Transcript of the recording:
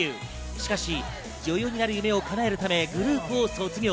しかし、女優になる夢を叶えるためグループを卒業。